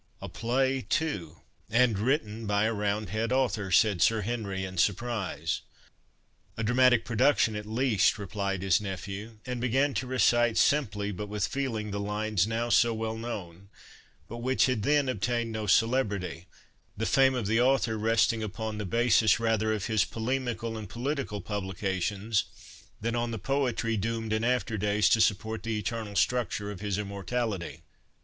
"A play, too, and written by a roundhead author!" said Sir Henry in surprise. "A dramatic production at least," replied his nephew; and began to recite simply, but with feeling, the lines now so well known, but which had then obtained no celebrity, the fame of the author resting upon the basis rather of his polemical and political publications, than on the poetry doomed in after days to support the eternal structure of his immortality.